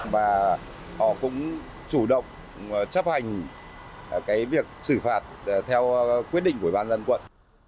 và họ cũng chủ động chấp hành việc xử phạt theo quyết định của ban dân quận